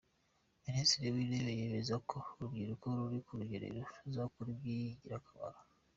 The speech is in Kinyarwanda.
Minisitiri w’Intebe yemeza ko urubyiruko ruri ku rugerero ruzakora iby’ingirakamaro.